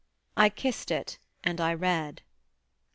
I kissed it and I read.